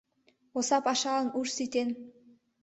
Осал пашалан уш ситен.